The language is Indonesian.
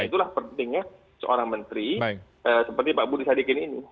itulah pentingnya seorang menteri seperti pak budi sadikin ini